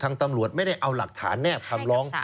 ตำรวจไม่ได้เอาหลักฐานแนบคำร้อง